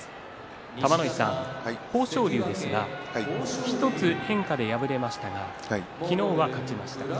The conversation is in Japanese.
玉ノ井さん、豊昇龍ですが１つ変化で敗れましたが昨日は勝ちました。